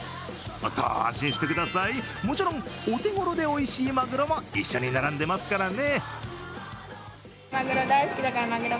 安心してください、もちろん、お手頃でおいしいまぐろも一緒に並んでますからね。